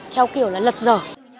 theo kiểu là lật dở